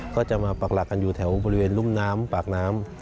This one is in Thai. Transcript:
ก็จะมาปากหลักกันอยู่แถวบริเวณรุ่มน้ำปากน้ำ